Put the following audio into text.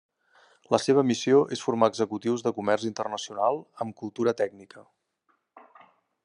La seva missió és formar executius de comerç internacional amb cultura tècnica.